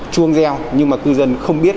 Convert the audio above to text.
chuông reo nhưng mà cư dân không biết